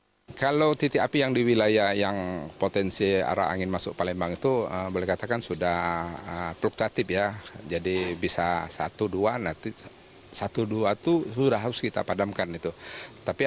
jumlah ini berkurang dibandingkan pada periode awal hingga pertengahan juli dua ribu delapan belas sebanyak lima puluh delapan titik api